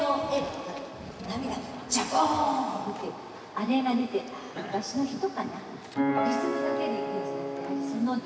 あれが出て昔の人かな。